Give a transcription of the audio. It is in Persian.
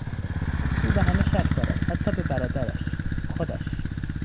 او به همه شک دارد حتی به برادرش خودش.